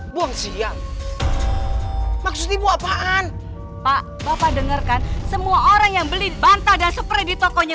buang siang maksud ibu apaan pak bapak dengarkan semua orang yang beli bantah dan spray di tokonya